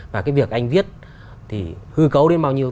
và cái việc anh viết thì hư cấu đến bao nhiêu